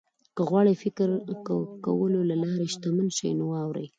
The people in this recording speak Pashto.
که غواړئ د فکر کولو له لارې شتمن شئ نو واورئ.